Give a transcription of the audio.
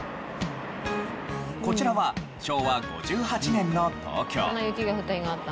こちらは昭和５８年の東京。